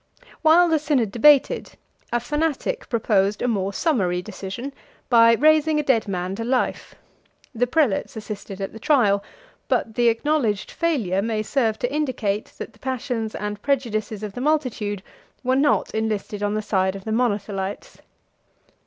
While the synod debated, a fanatic proposed a more summary decision, by raising a dead man to life: the prelates assisted at the trial; but the acknowledged failure may serve to indicate, that the passions and prejudices of the multitude were not enlisted on the side of the Monothelites.